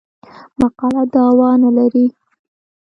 مقاله دعوا نه لري.